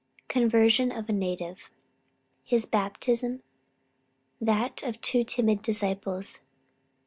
CONVERSION OF A NATIVE. HIS BAPTISM. THAT OF TWO TIMID DISCIPLES.